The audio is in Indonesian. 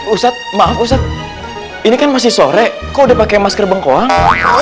ustadz maaf ustadz ini kan masih sore kok udah pakai masker bengkuang